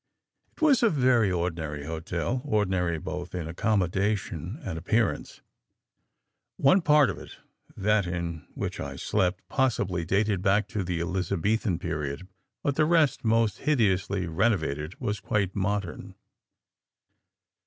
"It was a very ordinary hotel; ordinary both in accommodation and appearance. One part of it that in which I slept possibly dated back to the Elizabethan period, but the rest most hideously renovated was quite modern.